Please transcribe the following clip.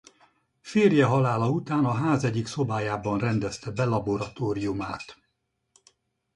Férje halála után a ház egyik szobájában rendezte be laboratóriumát.